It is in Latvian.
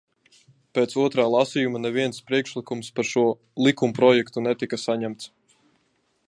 Pēc otrā lasījuma neviens priekšlikums par šo likumprojektu netika saņemts.